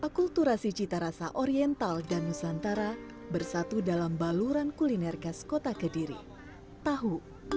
akulturasi cita rasa oriental dan nusantara bersatu dalam baluran kuliner khas kota kediri tahu